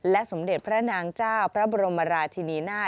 สมเด็จพระนางเจ้าพระบรมราชินีนาฏ